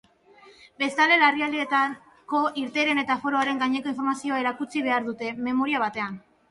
Bestalde, larrialdietako irteeren eta aforoaren gaineko informazioa erakutsi behar dute memoria batean.